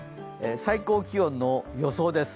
最高気温の予想です。